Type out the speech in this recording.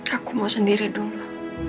aku mau sendiri dulu